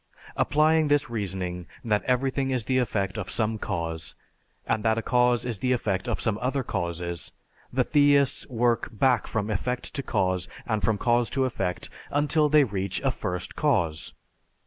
Applying this reasoning that everything is the effect of some cause, and that a cause is the effect of some other causes, the theists work back from effect to cause and from cause to effect until they reach a First Cause.